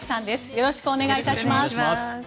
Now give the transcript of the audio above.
よろしくお願いします。